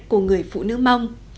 của người phụ nữ mông